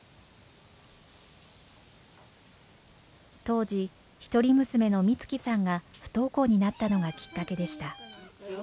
当時一人娘の光希さんが不登校になったのがきっかけでした。